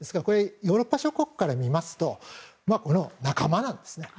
ヨーロッパ諸国からすると仲間なんですね。